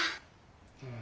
うん。